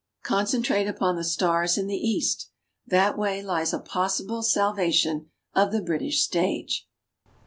Concentrate upon the stars in the East ! That way lies a possible salvation of the British stage.